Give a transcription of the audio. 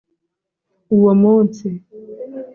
uwo munsi